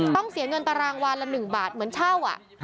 ต้องเสียเงินตารางวันละ๑บาทเหมือนเช่า